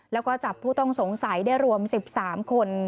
แล้วก็จับผู้ต้องสงสัยได้รวม๑๓คน